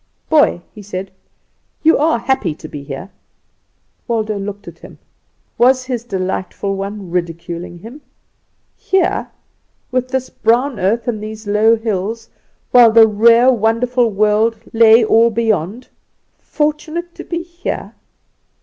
"Boy," he said, "you are happy to be here." Waldo looked at him. Was his delightful one ridiculing him? Here, with this brown earth and these low hills, while the rare wonderful world lay all beyond. Fortunate to be here?